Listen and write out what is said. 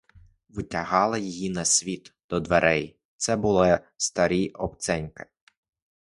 Витягла її на світ до дверей: це були старі обценьки.